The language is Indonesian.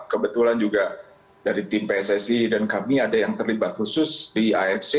kebetulan juga dari tim pssi dan kami ada yang terlibat khusus di afc